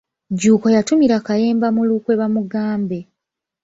Jjuuko yatumira Kayemba mu lukwe bamugambe.